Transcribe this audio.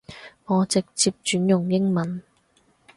我直接轉用英文